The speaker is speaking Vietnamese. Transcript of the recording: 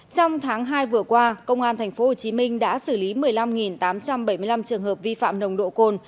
trong tháng hai vừa qua công an tp hcm đã xử lý một mươi năm tám trăm bảy mươi năm trường hợp vi phạm nồng độ cồn